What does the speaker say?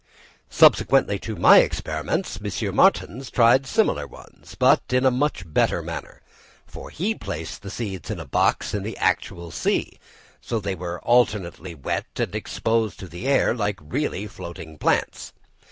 Subsequently to my experiments, M. Martens tried similar ones, but in a much better manner, for he placed the seeds in a box in the actual sea, so that they were alternately wet and exposed to the air like really floating plants.